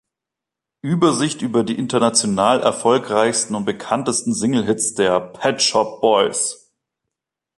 Übersicht über die international erfolgreichsten und bekanntesten Singlehits der Pet Shop Boys.